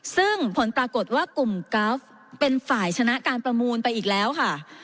ซึ่งผลปรากฏว่ากลุ่มกราฟเป็นฝ่ายชนะการประมูลไปอีกแล้วค่ะ